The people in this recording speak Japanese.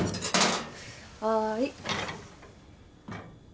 はい。